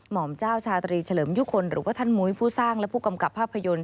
หมอมเจ้าชาตรีเฉลิมยุคลหรือว่าท่านมุ้ยผู้สร้างและผู้กำกับภาพยนตร์